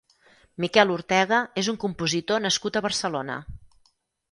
Miquel Ortega és un compositor nascut a Barcelona.